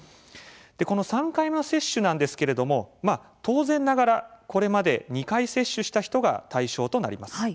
この３回目の接種なんですけれども当然ながら、これまで２回接種した人が対象となります。